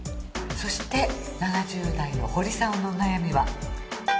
そして７０代の堀さんのお悩みは？